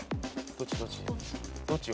どっちよどっちよ。